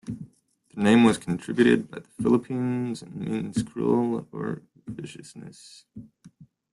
The name was contributed by the Philippines and means cruel or viciousness.